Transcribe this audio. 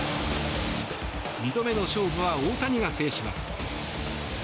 ２度目の勝負は大谷が制します。